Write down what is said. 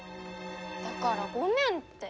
だからごめんって。